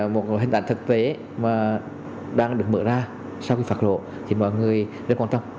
một hình ảnh thực tế mà đang được mở ra sau khi phạt lộ thì mọi người rất quan tâm